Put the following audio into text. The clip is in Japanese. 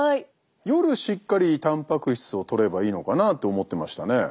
夜しっかりたんぱく質をとればいいのかなと思ってましたねえ。